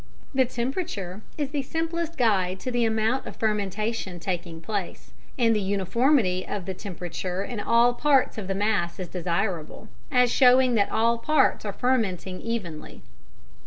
The temperature is the simplest guide to the amount of fermentation taking place, and the uniformity of the temperature in all parts of the mass is desirable, as showing that all parts are fermenting evenly.